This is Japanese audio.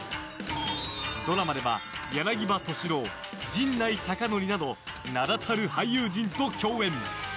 ドラマでは柳葉敏郎、陣内孝則など名だたる俳優陣と共演。